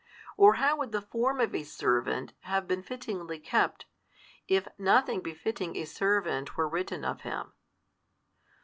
or how would the Form of a servant have been fittingly kept, if nothing befitting a servant were written of Him?